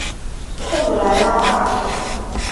特鲁莱拉巴尔特。